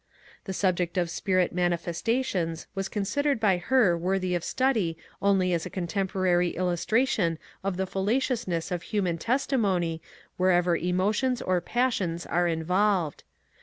The subject of spirit manifesta tions was considered by her worthy of study only as a con temporary illustration of the fallaciousness of human testimony wherever emotions or passions are involved.